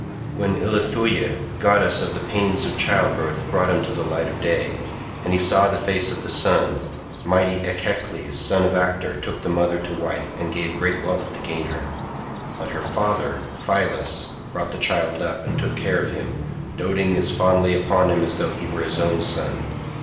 When Ilithuia goddess of the pains of childbirth brought him to the light of day, and he saw the face of the sun, mighty Echecles son of Actor took the mother to wife, and gave great wealth to gain her, but her father Phylas brought the child up, and took care of him, doting as fondly upon him as though he were his own son.